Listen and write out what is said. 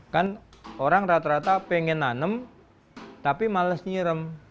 kan orang rata rata pengen nanem tapi males nyirem